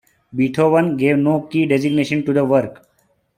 Beethoven gave no key designation to the work.